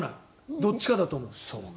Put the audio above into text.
どっちかだと思う。